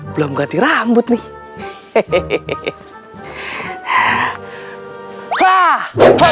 belum ganti rambut nih